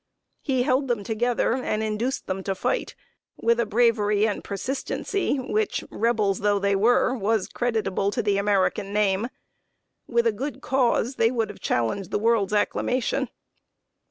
He held them together, and induced them to fight with a bravery and persistency which, Rebels though they were, was creditable to the American name. With a good cause, they would have challenged the world's acclamation.